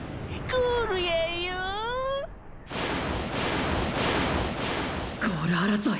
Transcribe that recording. ゴール争い！！